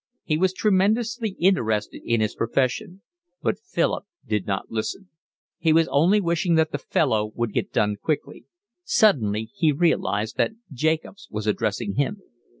He was tremendously interested in his profession. But Philip did not listen. He was only wishing that the fellow would get done quickly. Suddenly he realised that Jacobs was addressing him.